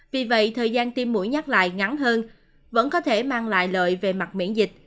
vì vậy thời gian tiêm mũi nhắc lại ngắn hơn vẫn có thể mang lại lợi về mặt miễn dịch